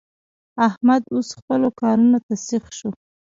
احمد اوس خپلو کارو ته سيخ شو.